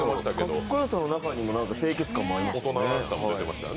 かっこよさの中にも清潔感がありましたよね。